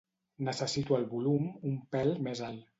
Necessito el volum un pèl més alt.